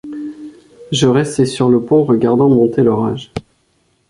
Je restai sur le pont, regardant monter l’orage.